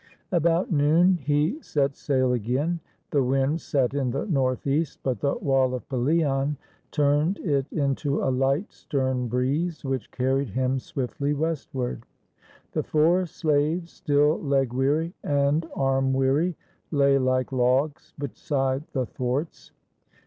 About noon he set sail again. The wind sat in the northeast, but the wall of Pelion turned it into a light stem breeze which carried him swiftly westward. The four slaves, still leg weary and arm weary, lay like logs beside the thwarts.